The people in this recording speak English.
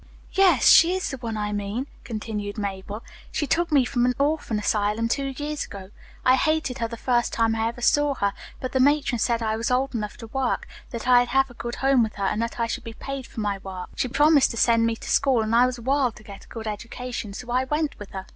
"Yes, she is the one I mean," continued Mabel. "She took me from an orphan asylum two years ago. I hated her the first time I ever saw her, but the matron said I was old enough to work, that I'd have a good home with her and that I should be paid for my work. She promised to send me to school, and I was wild to get a good education, so I went with her.